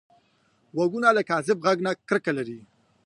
غوږونه له کاذب غږ نه کرکه لري